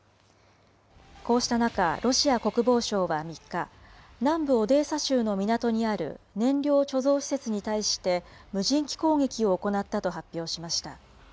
こうした中、ロシア国防省は３日、南部オデーサ州の港にある燃料貯蔵施設に対して、無人機攻撃を行ったと発表しました。